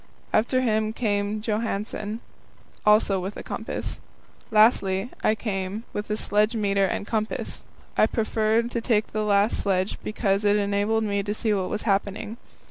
After him came Johansen, also with a compass. Lastly, I came, with sledge meter and compass. I preferred to take the last sledge because it enabled me to see what was happening.